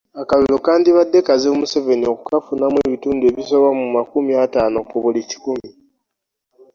Akalulu kandibadde kazibu Museveni okukafunamu ebitundu ebisoba mu makumi ataani ku buli kikumi